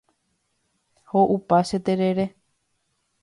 Ho’upa che terere.